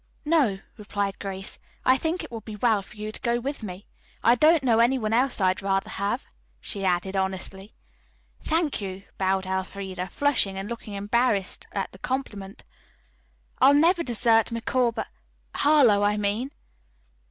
"No," replied Grace. "I think it would be well for you to go with me. I don't know any one else I'd rather have," she added honestly. "Thank you," bowed Elfreda, flushing and looking embarrassed at the compliment. "I'll never desert Micawber Harlowe, I mean."